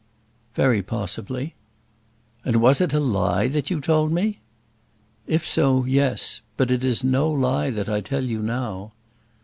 "Very possibly." "And was it a lie that you told me?" "If so, yes. But it is no lie that I tell you now."